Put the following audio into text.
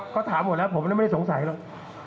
เขาถามหมดแล้วผมไม่ได้สงสัยหรอก